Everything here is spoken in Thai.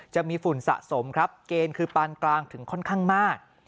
จะมีฝุ่นสะสมครับเกณฑ์คือปานกลางถึงค่อนข้างมาก